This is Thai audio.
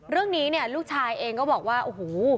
เรื่องนี้เนี่ยลูกชายเองก็บอกว่าโอ้โห